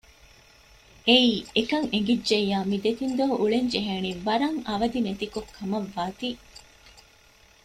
އެއީ އެކަން އެނގިއްޖެއްޔާ މި ދެތިން ދުވަހު އުޅެންޖެހޭނީ ވަރަށް އަވަދިނެތި ކޮށް ކަމަށް ވާތީ